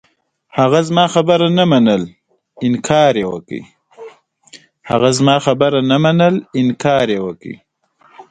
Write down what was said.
پانګوال د فرصتونو په لټه کې دي.